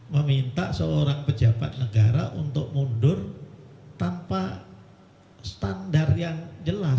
meminta seorang pejabat negara untuk mundur tanpa standar yang jelas